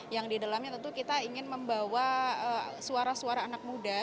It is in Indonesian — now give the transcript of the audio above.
yang di dalamnya tentu kita ingin membawa suara suara anak muda